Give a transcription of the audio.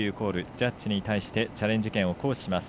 ジャッジに対してチャレンジ権を行使します。